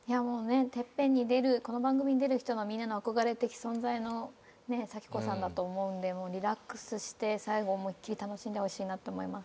この番組に出る人のみんなの憧れ的存在の咲子さんだと思うんでリラックスして最後思いっ切り楽しんでほしいなと思います。